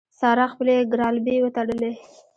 سارا خپلې ګرالبې وتړلې.